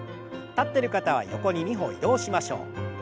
立ってる方は横に２歩移動しましょう。